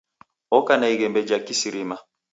Oka na ighembe ja kisirima.